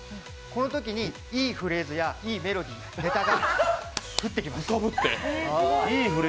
このときにいいフレーズや、いいメロディー、ネタが降ってきます。